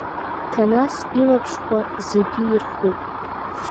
Ҭанас илаԥш хаа зегьы ирхуп.